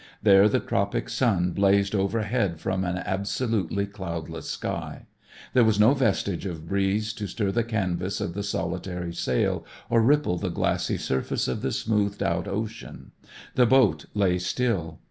There the tropic sun blazed overhead from an absolutely cloudless sky. There was no vestige of breeze to stir the canvas of the solitary sail or ripple the glassy surface of the smoothed out ocean. The boat lay still.